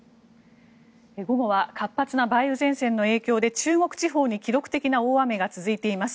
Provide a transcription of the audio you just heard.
午後は活発な梅雨前線の影響で中国地方に記録的な大雨が続いています。